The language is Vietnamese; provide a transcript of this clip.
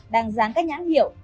đang dán các nhãn hiệu